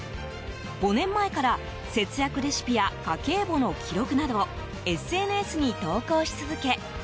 ５年前から節約レシピや家計簿の記録などをＳＮＳに投稿し続け